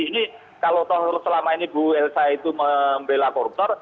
ini kalau selama ini bu elsa itu membela koruptor